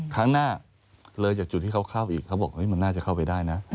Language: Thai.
ครั้งหน้าเลยจากจุดที่เขาเข้าอีกเขาบอกมันน่าจะเข้าไปได้นะ